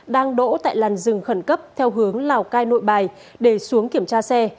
đang đỗ tại làn rừng khẩn cấp theo hướng lào cai nội bài để xuống kiểm tra xe